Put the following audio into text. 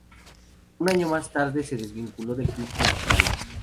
Un año más tarde se desvinculó del club mexicano.